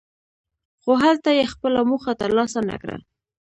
خو هلته یې خپله موخه ترلاسه نکړه.